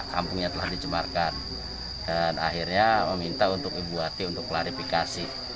kampungnya telah dicemarkan dan akhirnya meminta untuk ibu hati untuk klarifikasi